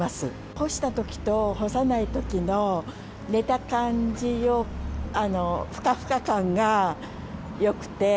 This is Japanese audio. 干したときと干さないときの寝た感じのふかふか感がよくて。